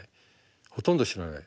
ほとんど知らない。